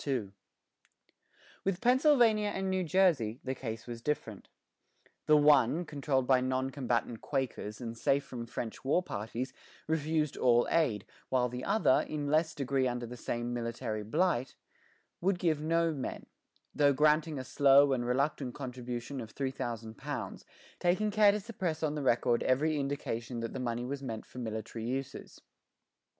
With Pennsylvania and New Jersey the case was different. The one, controlled by non combatant Quakers and safe from French war parties, refused all aid; while the other, in less degree under the same military blight, would give no men, though granting a slow and reluctant contribution of £3,000, taking care to suppress on the record every indication that the money was meant for military uses.